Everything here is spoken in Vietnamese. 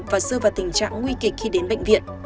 và rơi vào tình trạng nguy kịch khi đến bệnh viện